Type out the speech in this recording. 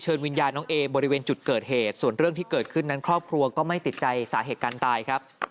วิญญาณน้องเอบริเวณจุดเกิดเหตุส่วนเรื่องที่เกิดขึ้นนั้นครอบครัวก็ไม่ติดใจสาเหตุการณ์ตายครับ